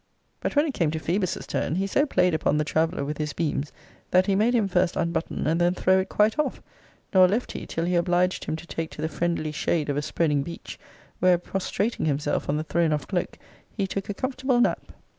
But when it came to Phoebus's turn, he so played upon the traveller with his beams, that he made him first unbutton, and then throw it quite off: Nor left he, till he obliged him to take to the friendly shade of a spreading beech; where, prostrating himself on the thrown off cloak, he took a comfortable nap.